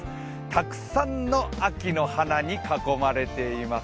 たくさんの秋の花に囲まれています